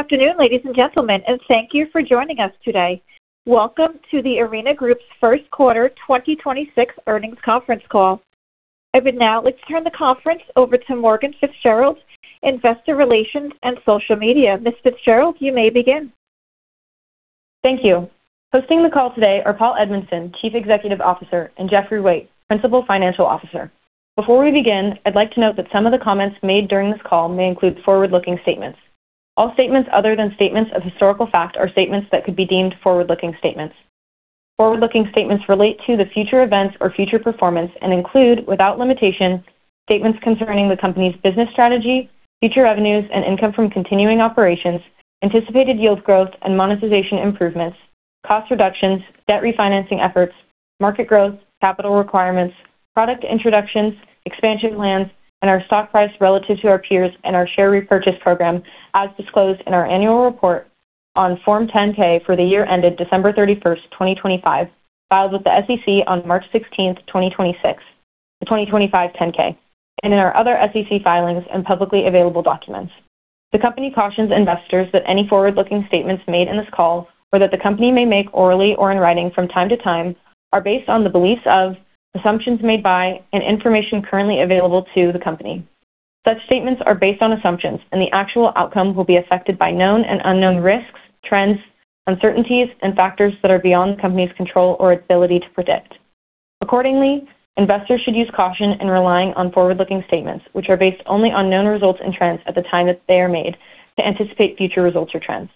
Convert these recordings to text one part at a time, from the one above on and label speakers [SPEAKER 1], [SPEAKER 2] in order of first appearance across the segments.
[SPEAKER 1] Good afternoon, ladies and gentlemen, and thank you for joining us today. Welcome to The Arena Group's first quarter 2026 earnings conference call. I would now like to turn the conference over to Morgan Fitzgerald, Investor Relations and Social Media. Ms. Fitzgerald, you may begin.
[SPEAKER 2] Thank you. Hosting the call today are Paul Edmondson, Chief Executive Officer, and Geoffrey Wait, Principal Financial Officer. Before we begin, I'd like to note that some of the comments made during this call may include forward-looking statements. All statements other than statements of historical fact are statements that could be deemed forward-looking statements. Forward-looking statements relate to the future events or future performance and include, without limitation, statements concerning the company's business strategy, future revenues, and income from continuing operations, anticipated yield growth and monetization improvements, cost reductions, debt refinancing efforts, market growth, capital requirements, product introductions, expansion plans, and our stock price relative to our peers and our share repurchase program, as disclosed in our annual report on Form 10-K for the year ended December 31st, 2025, filed with the SEC on March 16th, 2026, the 2025 10-K, and in our other SEC filings and publicly available documents. The company cautions investors that any forward-looking statements made in this call or that the company may make orally or in writing from time to time are based on the beliefs of, assumptions made by, and information currently available to the company. Such statements are based on assumptions, and the actual outcome will be affected by known and unknown risks, trends, uncertainties, and factors that are beyond the company's control or ability to predict. Accordingly, investors should use caution in relying on forward-looking statements, which are based only on known results and trends at the time that they are made to anticipate future results or trends.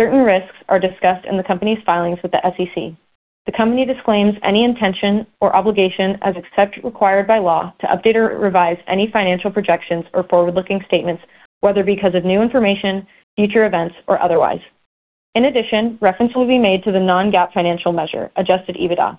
[SPEAKER 2] Certain risks are discussed in the company's filings with the SEC. The company disclaims any intention or obligation except as required by law to update or revise any financial projections or forward-looking statements, whether because of new information, future events, or otherwise. In addition, reference will be made to the non-GAAP financial measure, adjusted EBITDA.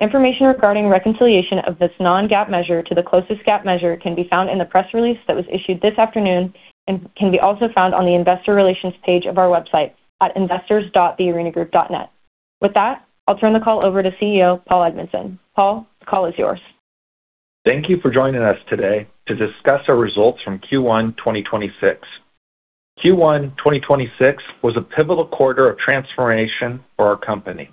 [SPEAKER 2] Information regarding reconciliation of this non-GAAP measure to the closest GAAP measure can be found in the press release that was issued this afternoon and can be also found on the investor relations page of our website at investors.thearenagroup.net. With that, I'll turn the call over to CEO, Paul Edmondson. Paul, the call is yours.
[SPEAKER 3] Thank you for joining us today to discuss our results from Q1, 2026. Q1, 2026 was a pivotal quarter of transformation for our company.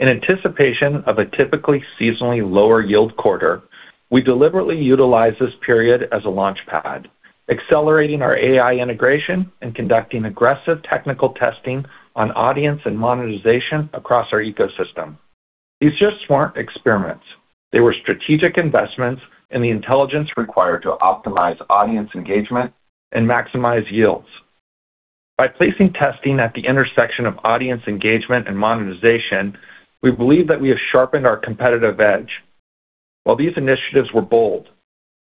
[SPEAKER 3] In anticipation of a typically seasonally lower yield quarter, we deliberately utilized this period as a launchpad, accelerating our AI integration and conducting aggressive technical testing on audience and monetization across our ecosystem. These just weren't experiments. They were strategic investments in the intelligence required to optimize audience engagement and maximize yields. By placing testing at the intersection of audience engagement and monetization, we believe that we have sharpened our competitive edge. While these initiatives were bold,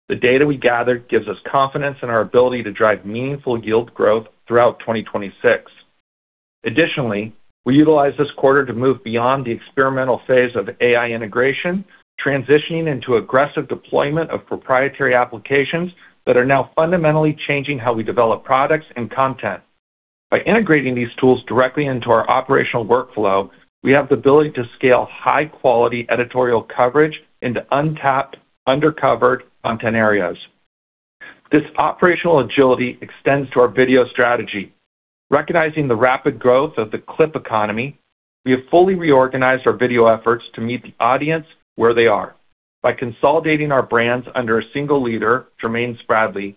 [SPEAKER 3] the data we gathered gives us confidence in our ability to drive meaningful yield growth throughout 2026. Additionally, we utilized this quarter to move beyond the experimental phase of AI integration, transitioning into aggressive deployment of proprietary applications that are now fundamentally changing how we develop products and content. By integrating these tools directly into our operational workflow, we have the ability to scale high-quality editorial coverage into untapped, undercovered content areas. This operational agility extends to our video strategy. Recognizing the rapid growth of the clip economy, we have fully reorganized our video efforts to meet the audience where they are. By consolidating our brands under a single leader, Jermaine Spradley,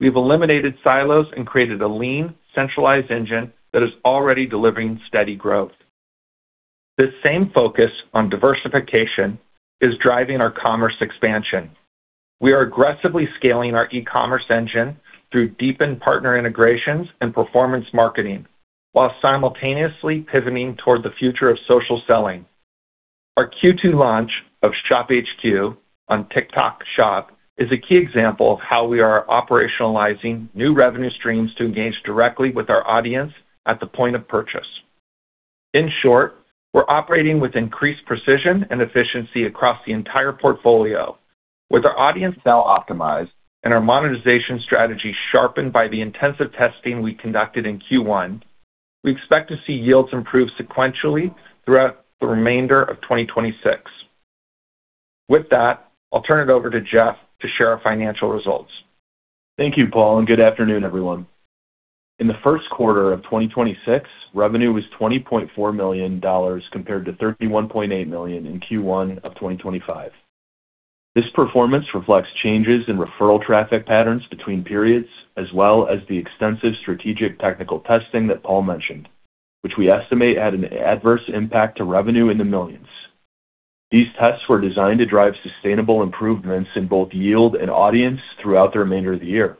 [SPEAKER 3] we've eliminated silos and created a lean, centralized engine that is already delivering steady growth. This same focus on diversification is driving our commerce expansion. We are aggressively scaling our e-commerce engine through deepened partner integrations and performance marketing, while simultaneously pivoting toward the future of social selling. Our Q2 launch of ShopHQ on TikTok Shop is a key example of how we are operationalizing new revenue streams to engage directly with our audience at the point of purchase. In short, we're operating with increased precision and efficiency across the entire portfolio. With our audience now optimized and our monetization strategy sharpened by the intensive testing we conducted in Q1, we expect to see yields improve sequentially throughout the remainder of 2026. With that, I'll turn it over to Geoffrey to share our financial results.
[SPEAKER 4] Thank you, Paul. Good afternoon, everyone. In the first quarter of 2026, revenue was $20.4 million compared to $31.8 million in Q1 of 2025. This performance reflects changes in referral traffic patterns between periods as well as the extensive strategic technical testing that Paul mentioned, which we estimate had an adverse impact to revenue in the millions. These tests were designed to drive sustainable improvements in both yield and audience throughout the remainder of the year.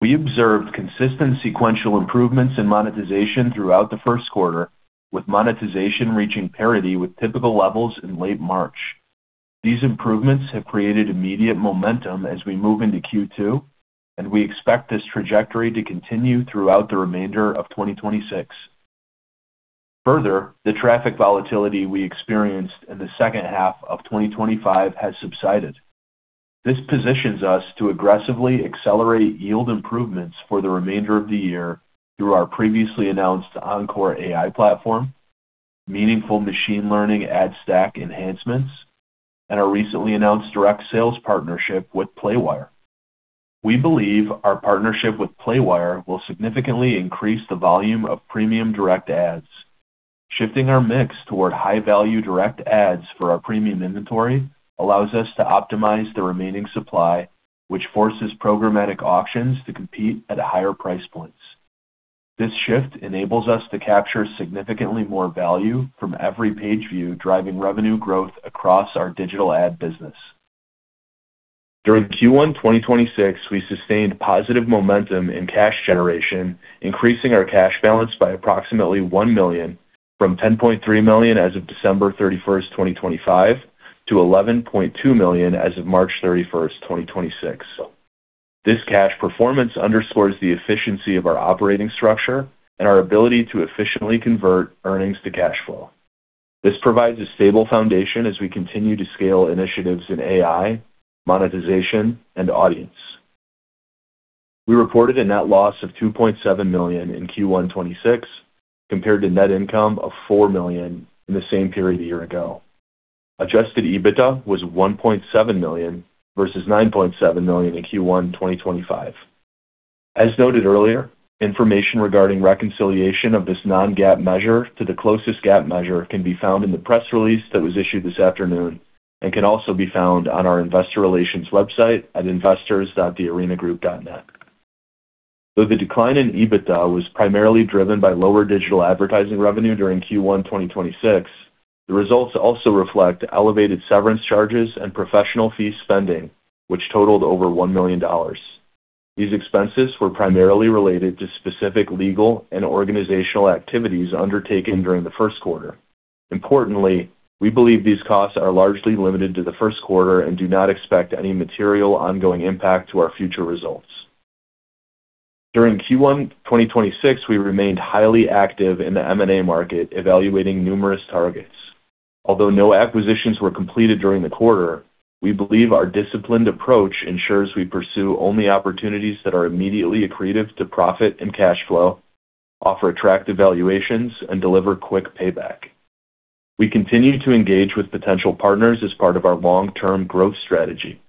[SPEAKER 4] We observed consistent sequential improvements in monetization throughout the first quarter, with monetization reaching parity with typical levels in late March. These improvements have created immediate momentum as we move into Q2, and we expect this trajectory to continue throughout the remainder of 2026. Further, the traffic volatility we experienced in the second half of 2025 has subsided. This positions us to aggressively accelerate yield improvements for the remainder of the year through our previously announced Encore AI platform, meaningful machine learning ad stack enhancements, and our recently announced direct sales partnership with Playwire. We believe our partnership with Playwire will significantly increase the volume of premium direct ads. Shifting our mix toward high-value direct ads for our premium inventory allows us to optimize the remaining supply, which forces programmatic auctions to compete at higher price points. This shift enables us to capture significantly more value from every page view, driving revenue growth across our digital ad business. During Q1 2026, we sustained positive momentum in cash generation, increasing our cash balance by approximately $1 million from $10.3 million as of December 31, 2025, to $11.2 million as of March 31, 2026. This cash performance underscores the efficiency of our operating structure and our ability to efficiently convert earnings to cash flow. This provides a stable foundation as we continue to scale initiatives in AI, monetization, and audience. We reported a net loss of $2.7 million in Q1 2026 compared to net income of $4 million in the same period a year ago. Adjusted EBITDA was $1.7 million versus $9.7 million in Q1 2025. As noted earlier, information regarding reconciliation of this non-GAAP measure to the closest GAAP measure can be found in the press release that was issued this afternoon and can also be found on our investor relations website at investors.thearenagroup.net. Though the decline in EBITDA was primarily driven by lower digital advertising revenue during Q1 2026, the results also reflect elevated severance charges and professional fee spending, which totaled over $1 million. These expenses were primarily related to specific legal and organizational activities undertaken during the first quarter. Importantly, we believe these costs are largely limited to the first quarter and do not expect any material ongoing impact to our future results. During Q1 2026, we remained highly active in the M&A market, evaluating numerous targets. Although no acquisitions were completed during the quarter, we believe our disciplined approach ensures we pursue only opportunities that are immediately accretive to profit and cash flow, offer attractive valuations, and deliver quick payback. We continue to engage with potential partners as part of our long-term growth strategy.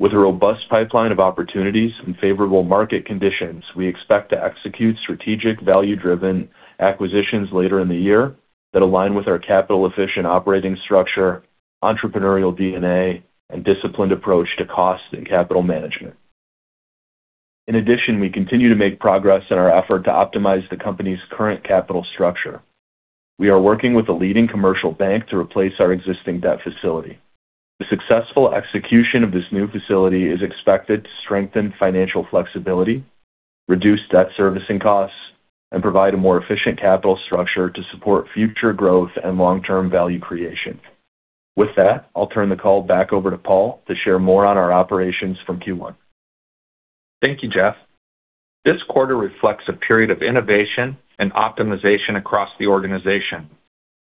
[SPEAKER 4] With a robust pipeline of opportunities and favorable market conditions, we expect to execute strategic value-driven acquisitions later in the year that align with our capital-efficient operating structure, entrepreneurial DNA, and disciplined approach to cost and capital management. In addition, we continue to make progress in our effort to optimize the company's current capital structure. We are working with a leading commercial bank to replace our existing debt facility. The successful execution of this new facility is expected to strengthen financial flexibility, reduce debt servicing costs, and provide a more efficient capital structure to support future growth and long-term value creation. With that, I'll turn the call back over to Paul to share more on our operations from Q1.
[SPEAKER 3] Thank you, Geoffrey. This quarter reflects a period of innovation and optimization across the organization.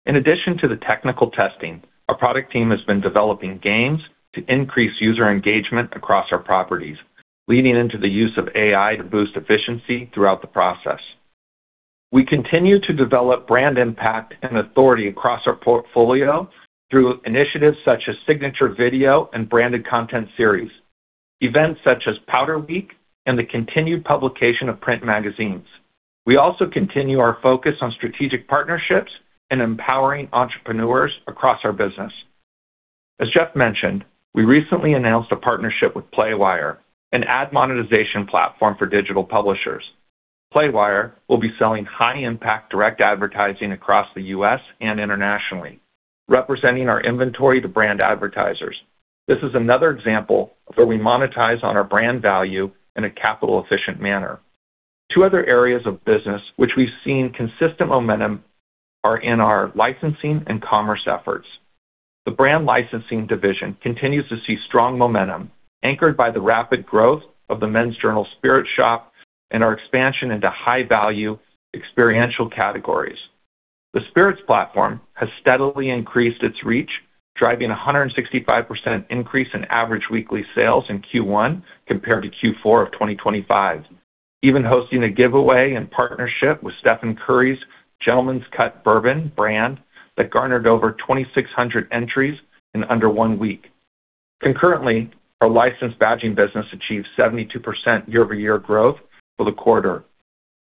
[SPEAKER 3] In addition to the technical testing, our product team has been developing games to increase user engagement across our properties, leading into the use of AI to boost efficiency throughout the process. We continue to develop brand impact and authority across our portfolio through initiatives such as signature video and branded content series, events such as Powder Week, and the continued publication of print magazines. We also continue our focus on strategic partnerships and empowering entrepreneurs across our business. As Geoffrey mentioned, we recently announced a partnership with Playwire, an ad monetization platform for digital publishers. Playwire will be selling high-impact direct advertising across the U.S. and internationally, representing our inventory to brand advertisers. This is another example of where we monetize on our brand value in a capital-efficient manner. Two other areas of business which we've seen consistent momentum are in our licensing and commerce efforts. The brand licensing division continues to see strong momentum anchored by the rapid growth of the Men's Journal Spirit shop and our expansion into high-value experiential categories. The Spirits platform has steadily increased its reach, driving a 165% increase in average weekly sales in Q1 compared to Q4 of 2025, even hosting a giveaway in partnership with Stephen Curry's Gentleman's Cut bourbon brand that garnered over 2,600 entries in under one week. Concurrently, our licensed badging business achieved 72% year-over-year growth for the quarter.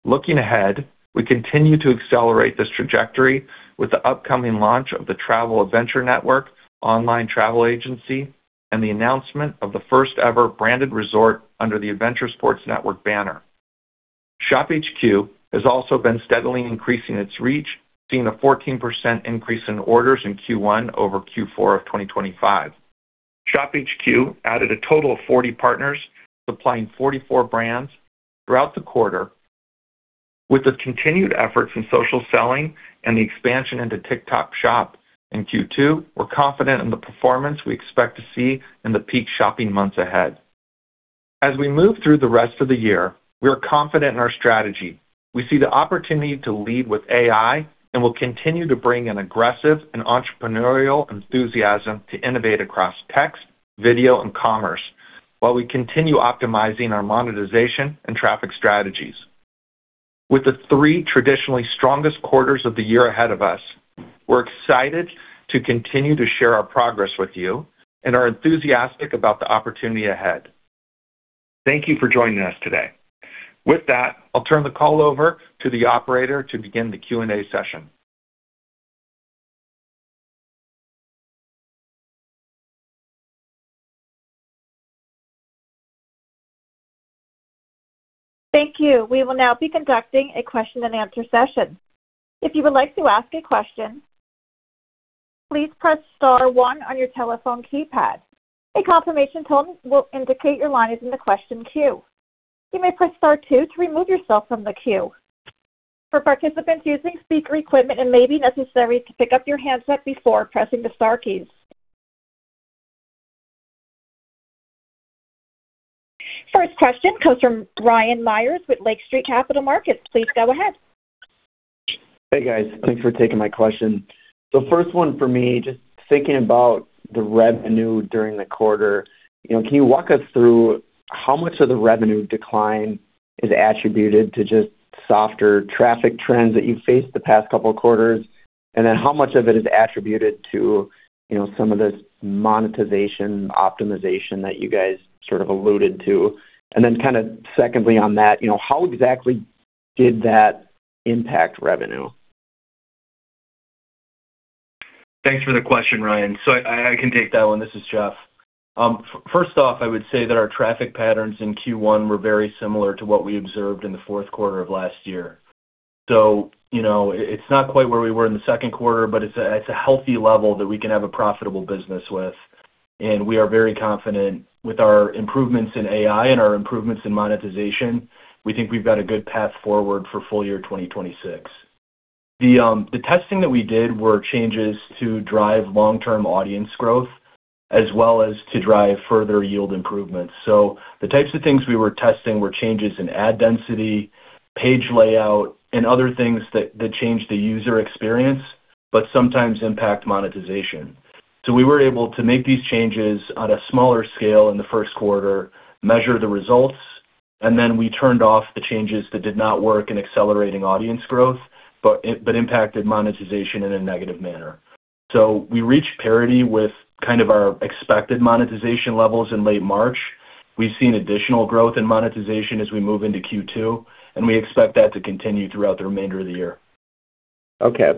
[SPEAKER 3] Looking ahead, we continue to accelerate this trajectory with the upcoming launch of the Travel Adventure Network online travel agency and the announcement of the first-ever branded resort under the Adventure Sports Network banner. ShopHQ has also been steadily increasing its reach, seeing a 14% increase in orders in Q1 over Q4 of 2025. ShopHQ added a total of 40 partners supplying 44 brands throughout the quarter. With the continued efforts in social selling and the expansion into TikTok Shop in Q2, we're confident in the performance we expect to see in the peak shopping months ahead. As we move through the rest of the year, we are confident in our strategy. We see the opportunity to lead with AI and will continue to bring an aggressive and entrepreneurial enthusiasm to innovate across text, video, and commerce. While we continue optimizing our monetization and traffic strategies. With the three traditionally strongest quarters of the year ahead of us, we're excited to continue to share our progress with you and are enthusiastic about the opportunity ahead. Thank you for joining us today. With that, I'll turn the call over to the operator to begin the Q&A session.
[SPEAKER 1] Thank you. We will now be conducting a question-and-answer session. If you would like to ask a question, please press star one on your telephone keypad. A confirmation tone will indicate your line is in the question queue. You may press star two to remove yourself from the queue. For participants using speaker equipment, it may be necessary to pick up your handset before pressing the star keys. First question comes from Ryan Meyers with Lake Street Capital Markets. Please go ahead.
[SPEAKER 5] Hey, guys. Thanks for taking my question. First one for me, just thinking about the revenue during the quarter, you know, can you walk us through how much of the revenue decline is attributed to just softer traffic trends that you've faced the past couple of quarters? How much of it is attributed to, you know, some of this monetization optimization that you guys sort of alluded to? Kinda secondly on that, you know, how exactly did that impact revenue?
[SPEAKER 4] Thanks for the question, Ryan. I can take that one. This is Geoff. First off, I would say that our traffic patterns in Q1 were very similar to what we observed in the fourth quarter of last year. You know, it's not quite where we were in the second quarter, but it's a, it's a healthy level that we can have a profitable business with, and we are very confident with our improvements in AI and our improvements in monetization. We think we've got a good path forward for full-year 2026. The testing that we did were changes to drive long-term audience growth as well as to drive further yield improvements. The types of things we were testing were changes in ad density, page layout, and other things that change the user experience but sometimes impact monetization. We were able to make these changes on a smaller scale in the first quarter, measure the results, and then we turned off the changes that did not work in accelerating audience growth but impacted monetization in a negative manner. We reached parity with kind of our expected monetization levels in late March. We've seen additional growth in monetization as we move into Q2, and we expect that to continue throughout the remainder of the year.
[SPEAKER 5] Okay.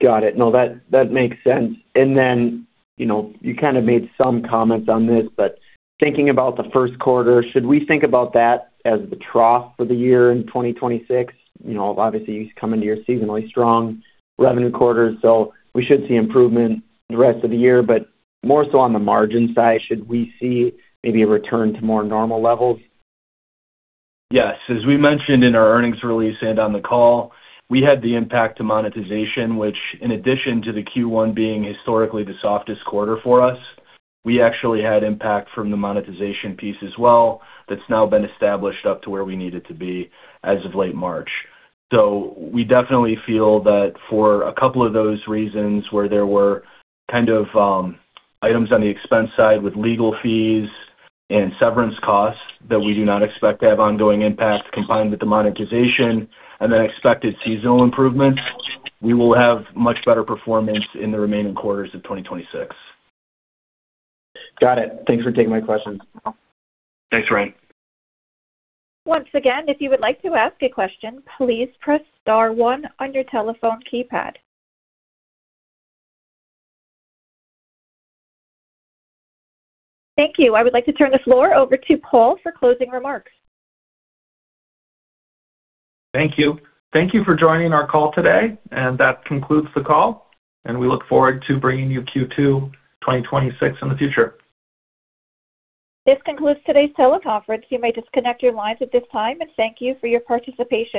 [SPEAKER 5] Got it. No, that makes sense. Then, you know, you kinda made some comments on this, but thinking about the first quarter, should we think about that as the trough for the year in 2026? You know, obviously, you come into your seasonally strong revenue quarters, so we should see improvement the rest of the year, but more so on the margin side, should we see maybe a return to more normal levels?
[SPEAKER 4] Yes. As we mentioned in our earnings release and on the call, we had the impact to monetization, which in addition to the Q1 being historically the softest quarter for us, we actually had impact from the monetization piece as well that's now been established up to where we need it to be as of late March. We definitely feel that for a couple of those reasons where there were kind of items on the expense side with legal fees and severance costs that we do not expect to have ongoing impact combined with the monetization and then expected seasonal improvements, we will have much better performance in the remaining quarters of 2026.
[SPEAKER 5] Got it. Thanks for taking my question.
[SPEAKER 4] Thanks, Ryan.
[SPEAKER 1] Once again, if you would like to ask a question, please press star one on your telephone keypad. Thank you. I would like to turn the floor over to Paul for closing remarks.
[SPEAKER 3] Thank you. Thank you for joining our call today. That concludes the call, and we look forward to bringing you Q2 2026 in the future.
[SPEAKER 1] This concludes today's teleconference. You may disconnect your lines at this time, and thank you for your participation.